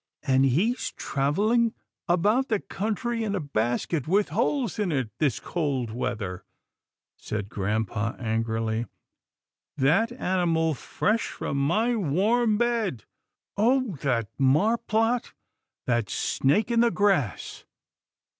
"" And he's travelling about the country in a basket with holes in it this cold weather," said grampa angrily, " that animal fresh from my warm bed — Oh ! that marplot — that snake in the grass